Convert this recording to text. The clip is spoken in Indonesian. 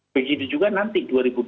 begitu juga nanti